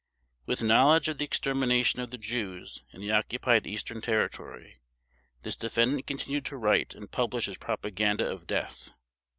With knowledge of the extermination of the Jews in the Occupied Eastern Territory, this defendant continued to write and publish his propaganda of death.